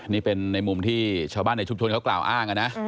นี่เป็นในมุมที่ชาวบ้านในชุมชนเขากล่าวอ้างนะ